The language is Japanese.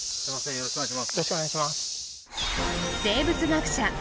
よろしくお願いします